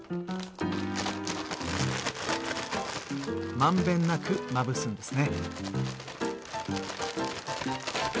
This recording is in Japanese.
まんべんなくまぶすんですね。